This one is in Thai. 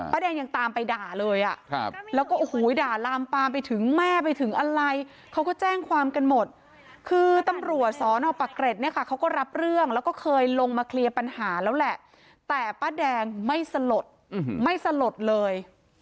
แดงยังตามไปด่าเลยอ่ะครับแล้วก็โอ้โหด่าลามปามไปถึงแม่ไปถึงอะไรเขาก็แจ้งความกันหมดคือตำรวจสอนอปะเกร็ดเนี่ยค่ะเขาก็รับเรื่องแล้วก็เคยลงมาเคลียร์ปัญหาแล้วแหละแต่ป้าแดงไม่สลดไม่สลดเลย